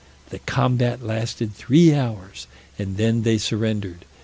The combat lasted three hours, and then they surrendered.